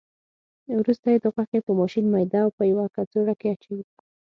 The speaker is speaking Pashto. وروسته یې د غوښې په ماشین میده او په یوه کڅوړه کې اچوي.